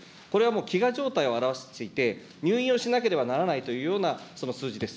これは飢餓状態を表していて、入院をしなければならないというようなその数字です。